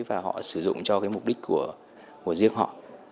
và họ sử dụng cho cái mục đích của riêng họ